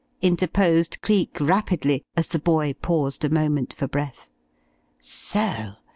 interposed Cleek, rapidly, as the boy paused a moment for breath. "So?